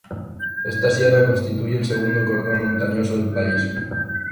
Esta sierra constituye el segundo cordón montañoso del país.